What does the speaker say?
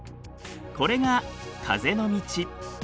これが風の道。